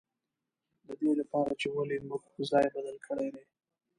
د دې له پاره چې ولې موږ ځای بدل کړی دی.